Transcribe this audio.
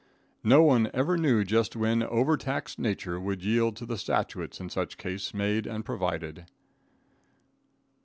No one ever knew just when over taxed nature would yield to the statutes in such case made and provided.